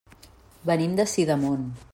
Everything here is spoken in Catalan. Venim de Sidamon.